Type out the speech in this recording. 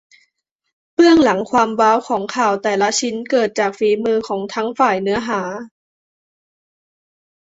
เบื้องหลังความว้าวของข่าวแต่ละชิ้นเกิดจากฝีมือของทั้งฝ่ายเนื้อหา